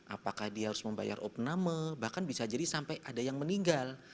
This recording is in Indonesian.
apakah dia harus membayar opname bahkan bisa jadi sampai ada yang meninggal